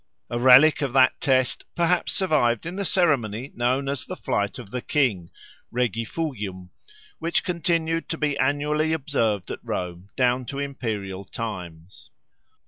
A relic of that test perhaps survived in the ceremony known as the Flight of the King (regifugium), which continued to be annually observed at Rome down to imperial times.